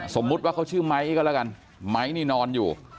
สมมุติว่าเขาชื่อไมค์ก็แล้วกันไม้นี่นอนอยู่